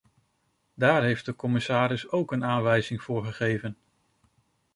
Daar heeft de commissaris ook een aanwijzing voor gegeven.